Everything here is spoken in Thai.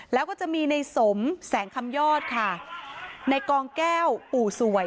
แล้วก็จะมีในสมแสงคำยอดค่ะในกองแก้วปู่สวย